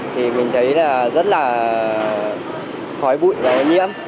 thì mình thấy rất là khói bụi và nhiễm